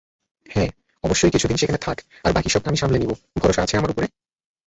হ্যাঁঁ, অবশ্যই কিছুদিন সেখানে থাক আর বাকীসব আমি সামলে নিবো ভরসা আছে আমার উপরে?